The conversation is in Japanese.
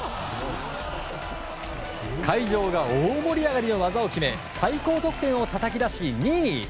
会場が大盛り上がりの技を決め最高得点をたたき出し２位。